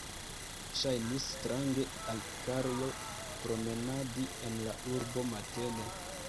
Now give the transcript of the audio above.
Ŝajnis strange al Karlo promenadi en la urbo matene.